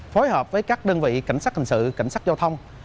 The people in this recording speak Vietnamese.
phối hợp với các đơn vị cảnh sát hình sự cảnh sát giao thông